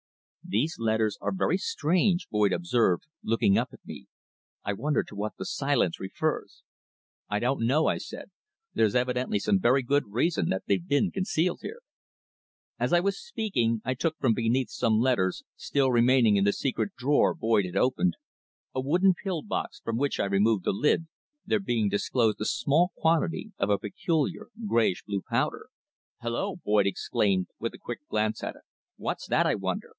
"These letters are very strange," Boyd observed, looking up at me. "I wonder to what the silence refers?" "I don't know," I said. "There's evidently some very good reason that they've been concealed here." As I was speaking I took from beneath some letters, still remaining in the secret drawer Boyd had opened, a wooden pill box, from which I removed the lid, there being disclosed a small quantity of a peculiar greyish blue powder. "Hulloa!" Boyd exclaimed, with a quick glance at it. "What's that, I wonder?